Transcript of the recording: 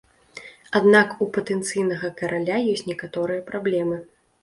Аднак у патэнцыйнага караля ёсць некаторыя праблемы.